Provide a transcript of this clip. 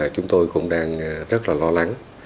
chúng tôi cũng đang rất là lo lắng